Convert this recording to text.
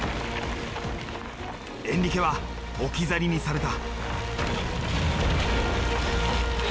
エンリケは置き去りにされた。